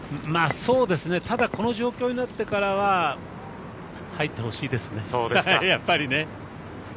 そうですねただ、この状況になってからは入ってほしいですね、やっぱりね。